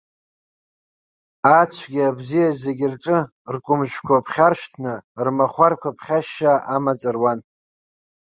Ацәгьа, абзиа, зегьы рҿы ркәымжәқәа ԥхьаршәҭны, рмахәарқәа ԥхьашьшьаа амаҵ руан.